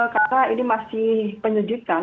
karena ini masih penyelidikan